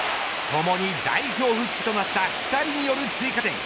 ともに代表復帰となった２人による追加点。